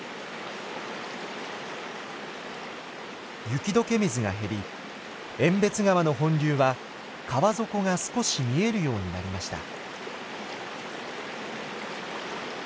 雪解け水が減り遠別川の本流は川底が少し見えるようになりました。